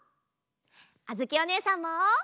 あづきおねえさんも。